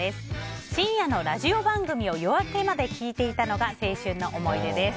深夜のラジオ番組を夜明けまで聴いていたのが青春の思い出です。